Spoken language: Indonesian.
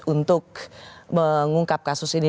untuk mengungkap kasus ini